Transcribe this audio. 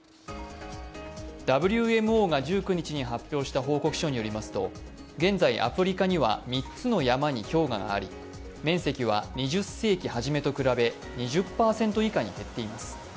ＷＭＯが１９日に発表した報告書によりますと現在、アフリカには３つの山に氷河があり面積は２０世紀初めと比べ２０％以下に減っています。